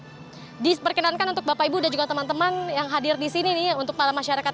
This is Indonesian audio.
jadi diperkenankan untuk bapak ibu dan juga teman teman yang hadir disini nih untuk para masyarakat